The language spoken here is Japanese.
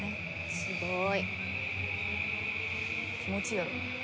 すごーい！